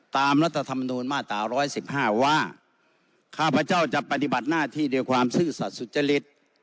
ตามรัฐธรรมนูญมาตราร้อยสิบห้าว่าข้าพเจ้าจะปฏิบัติหน้าที่ด้วยความซื่อสัตว์สุจริต